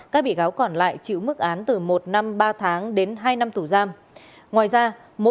các bị cáo còn lại chịu mức án từ một năm ba tháng đến hai năm tù giam